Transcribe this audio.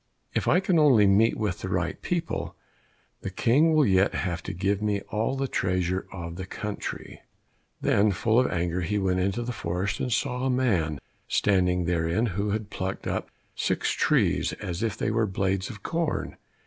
If I can only meet with the right people, the King will yet have to give me all the treasure of the country." Then full of anger he went into the forest, and saw a man standing therein who had plucked up six trees as if they were blades of corn.